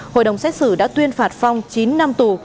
hội đồng xét xử đã tuyên phạt phong chín năm tù